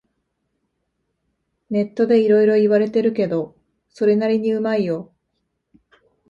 ネットでいろいろ言われてるけど、それなりにうまいよ